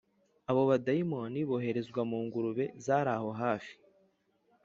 Abo badayimoni boherezwa mungurube z’araho hafi